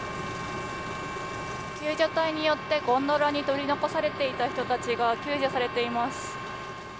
救助隊によってゴンドラに取り残されていた人たちが救助されています。